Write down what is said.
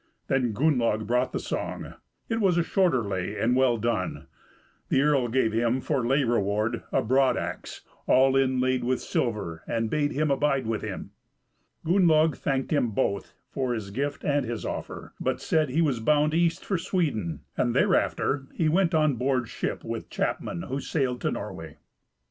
Then Gunnlaug brought the song; it was a shorter lay, and well done. The earl gave him for lay reward a broad axe, all inlaid with silver, and bade him abide with him. Gunnlaug thanked him both for his gift and his offer, but said he was bound east for Sweden; and thereafter he went on board ship with chapmen who sailed to Norway.